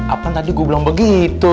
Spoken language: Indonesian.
apa tadi gue bilang begitu